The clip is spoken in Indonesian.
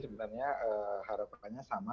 sebenarnya harapannya sama